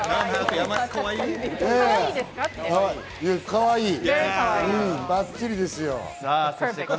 かわいいですか？